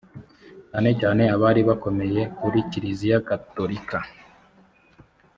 cyane cyane abari bakomeye kuri kiliziya gatolika